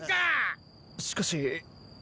しかし。